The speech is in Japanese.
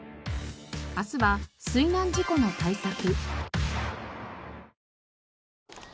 明日は水難事故の対策。